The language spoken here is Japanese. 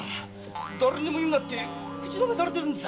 誰にも言うなって口止めされてるんでさ。